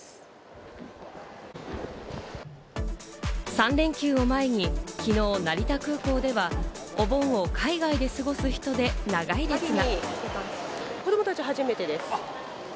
３連休を前にきのう成田空港ではお盆を海外で過ごす人で長い列が。